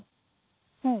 うん。